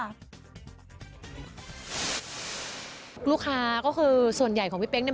ลูกค้าก็คือส่วนใหญ่ของพี่เป๊กเนี่ย